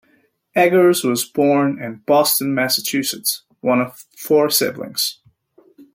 Eggers was born in Boston, Massachusetts, one of four siblings.